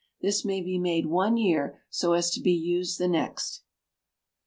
This may be made one year so as to be used the next.